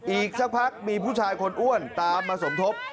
อีกสักพักมีผู้ชายคนอ้วนตามมาสมทบ